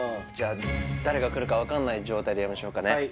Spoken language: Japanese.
じゃ誰がくるか分かんない状態でやりましょうかね